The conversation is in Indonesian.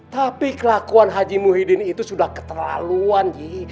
tapi kelakuan haji muhyiddin itu sudah keterlaluan ji